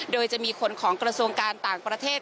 โดยจะมีคนของกระทรวงการต่างประเทศ